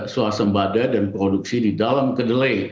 suasembada dan produksi di dalam kedelai